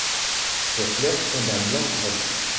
Ses fleurs sont d'un blanc crème.